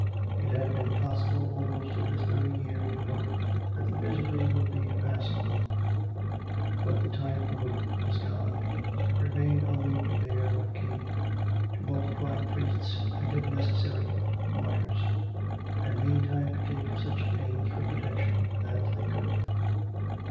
It had been possible almost to this very year to hope that the misery would be a passing one; but the time for hope was gone. It remained only to bear what came, to multiply priests, and, if necessary, martyrs, and meantime to take such pains for protection as they could.